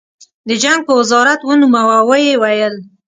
د جنګ په وزارت ونوموه او ویې ویل